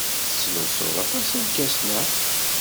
Tettlusuḍ aṭas irkasen-a?